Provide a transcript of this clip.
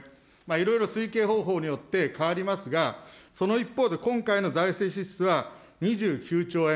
いろいろ推計方法によって変わりますが、その一方で今回の財政支出は、２９兆円。